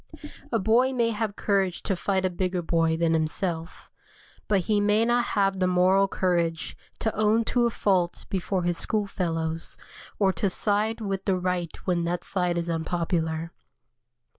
A boy may have courage to fight a bigger boy than himself, but he may not have the moral courage to own to a fault before his school fellows, or to side with the right when that side is unpopular.